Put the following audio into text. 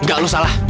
nggak lo salah